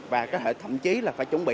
và có thể thậm chí là phải chuẩn bị